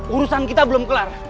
urusan kita belom kelar